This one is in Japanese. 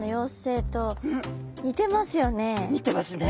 似てますね。